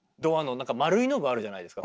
丸いノブあるじゃないですか。